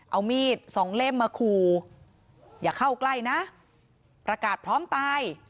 เอามีดสองเล่มมาขู่อย่าเข้าใกล้นะประกาศพร้อมตาย